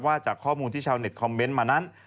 จากข้อมูลที่ชาวเน็ตคอมเมนต์มานั้น